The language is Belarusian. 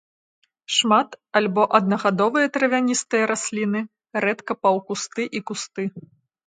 Шмат- або аднагадовыя травяністыя расліны, рэдка паўкусты і кусты.